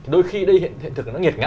đôi khi đây hiện thực nó nghiệt ngã